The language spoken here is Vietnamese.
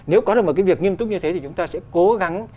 nếu có được một cái việc nghiêm túc như thế thì chúng ta sẽ cố gắng